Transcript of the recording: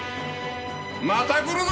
また来るぞ！